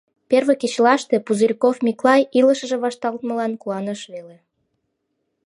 Первый кечылаште Пузырьков Миклай илышыже вашталтмылан куаныш веле.